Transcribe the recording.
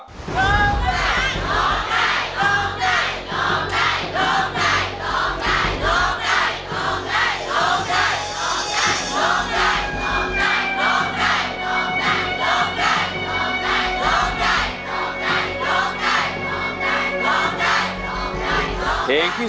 ร้องได้ร้องได้ร้องได้